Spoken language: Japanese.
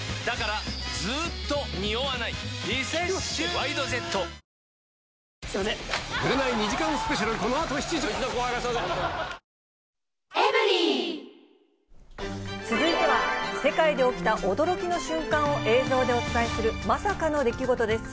「ＷＩＤＥＪＥＴ」続いては世界で起きた驚きの瞬間を映像でお伝えする、まさかの出来事です。